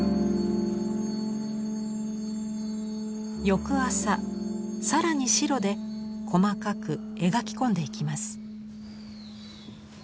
翌朝更に白で細かく描き込んでいきます。